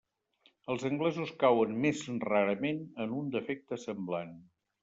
Els anglesos cauen més rarament en un defecte semblant.